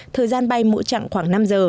thời gian bay mỗi chặng khoảng năm giờ